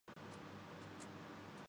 جو پاکستان میں ہے۔